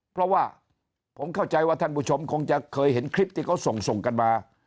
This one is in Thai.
เพราะว่าผมเข้าใจว่าท่านผู้ชมคงจะเคยเห็นคลิปที่เขาส่งกันมา